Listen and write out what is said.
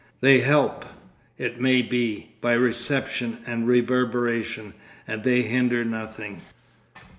They help, it may be, by reception and reverberation, and they hinder nothing.